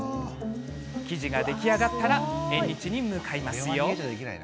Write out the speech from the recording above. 生地が出来上がったら縁日に向かいます。